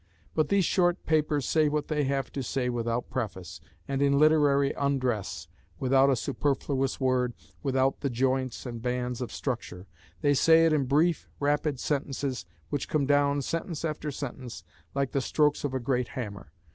But these short papers say what they have to say without preface, and in literary undress, without a superfluous word, without the joints and bands of structure; they say it in brief, rapid sentences, which come down, sentence after sentence, like the strokes of a great hammer.